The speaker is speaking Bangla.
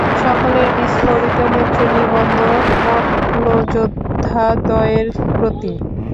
সকলের বিস্ফোরিত নেত্র নিবদ্ধ মপ্লযোদ্ধাদ্বয়ের প্রতি।